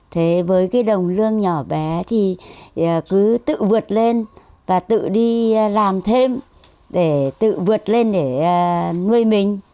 thế với cái đồng lương nhỏ bé thì cứ tự vượt lên và tự đi làm thêm để tự vượt lên để nuôi mình